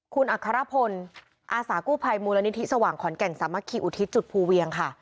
คุณอัครพลอาสากู้ภัยมูลนิธิสว่างขอนแก่นสามัคคีอุทิศจุดภูเวียงค่ะ